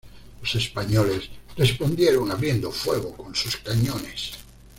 Los españoles respondieron abriendo fuego con sus cañones.